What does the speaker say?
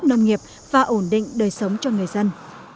để giúp nông nghiệp và ổn định đời sống cho người dân